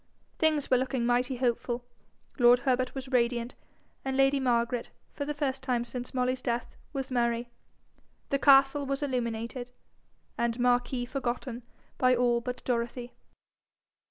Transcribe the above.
Things were looking mighty hopeful, lord Herbert was radiant, and lady Margaret, for the first time since Molly's death, was merry. The castle was illuminated, and Marquis forgotten by all but Dorothy.